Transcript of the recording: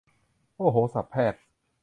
โอ้โห ศัพท์แพทย์